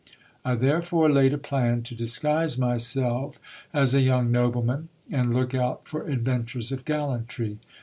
I therefore laid a plan to disguise myself as a young nobleman, and look out for adventures of gallantry.